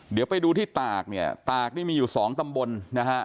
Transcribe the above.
เดี๋ยวไปดูที่ตากเนี่ยตากนี่มีอยู่สองตำบลนะฮะ